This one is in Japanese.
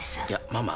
ママ？